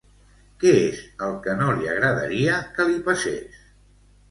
Què és el que no li agradaria que li passés?